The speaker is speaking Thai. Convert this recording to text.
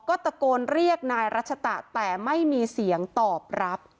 ก็ตะโกนเรียกนายรัชตะแต่ไม่มีเสียงตอบรับ